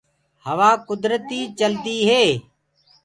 هوآ ڪُدرتيٚ چلدو هي